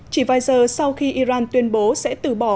chỉ vài giờ sau khi iran tuyên bố sẽ từ bỏ